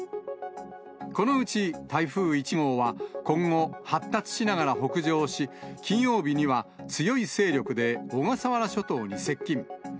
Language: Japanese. このうち台風１号は、今後、発達しながら北上し、金曜日には強い勢力で小笠原諸島に接近。